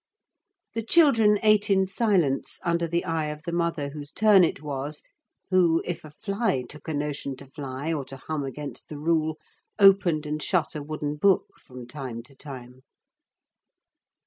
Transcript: The children ate in silence, under the eye of the mother whose turn it was, who, if a fly took a notion to fly or to hum against the rule, opened and shut a wooden book from time to time.